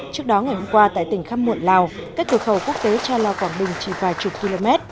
trước đó ngày hôm qua tại tỉnh khắp muộn lào các thủ khẩu quốc tế trao lao quảng bình chỉ vài chục km